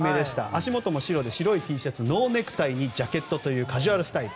足元も白い靴、白いシャツにノーネクタイにジャケットというカジュアルスタイル。